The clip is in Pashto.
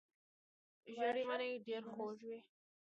ژېړې مڼې ډېرې خوږې وي.